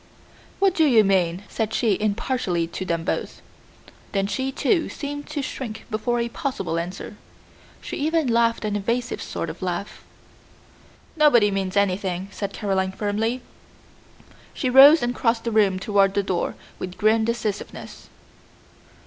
"What do you mean?" said she impartially to them both. Then she, too, seemed to shrink before a possible answer. She even laughed an evasive sort of laugh. "Nobody means anything," said Caroline firmly. She rose and crossed the room toward the door with grim decisiveness.